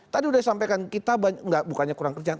tadi sudah disampaikan kita bukannya kurang kerjaan